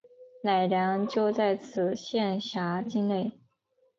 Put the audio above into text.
乃良就在此县辖境内。